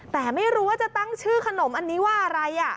แต่ไม่รู้ว่าจะตั้งชื่อขนมอันนี้ว่าอะไร